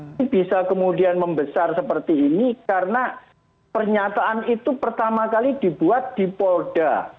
ini bisa kemudian membesar seperti ini karena pernyataan itu pertama kali dibuat di polda